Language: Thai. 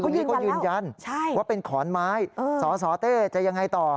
พี่เขายืนยันว่าเป็นขอนไม้สสเต้จะยังไงต่อ